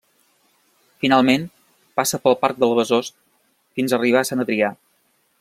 Finalment, passa pel parc del Besòs fins a arribar a Sant Adrià.